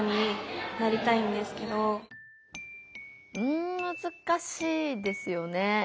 うんむずかしいですよね。